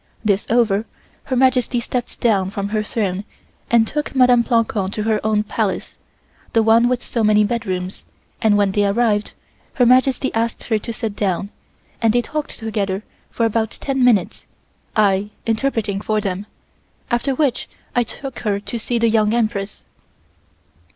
This over, Her Majesty stepped down from her throne and took Mdme. Plancon to her own Palace, the one with so many bedrooms, and when they arrived, Her Majesty asked her to sit down, and they talked together for about ten minutes, I interpreting for them, after which I took her to see the Young Empress.